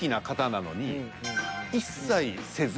一切せず。